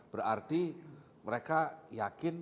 berarti mereka yakin